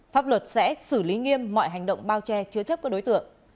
pháp luật sẽ xử lý nghiêm mọi hành động bao che chứa chấp các đối tượng